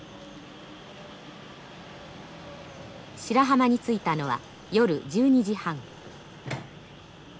白浜に着いたのは夜１２時半。